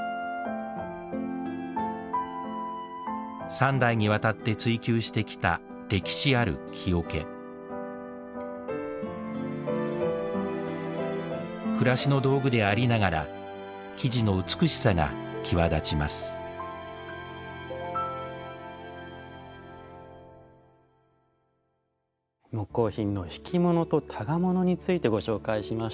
３代にわたって追求してきた歴史ある木桶暮らしの道具でありながら木地の美しさが際立ちます木工品の挽物と箍物についてご紹介しました。